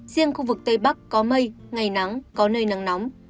riêng khu vực tây bắc có mây ngày nắng có nơi nắng nóng